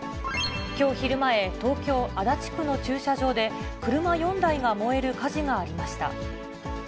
きょう昼前、東京・足立区の駐車場で、車４台が燃える火事がありました。